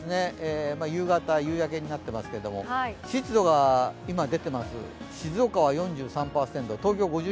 夕方、夕焼けになっていますけれども湿度が今出ています、静岡は４３％、東京は５１％。